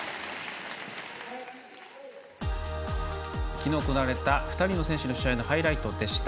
きのう行われた２人の選手のハイライトでした。